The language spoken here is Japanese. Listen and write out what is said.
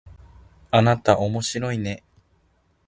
あなたおもしろいね